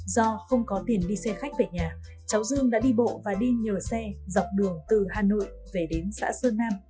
do không có tiền đi xe khách về nhà cháu dương đã đi bộ và đi nhờ xe dọc đường từ hà nội về đến xã sơn nam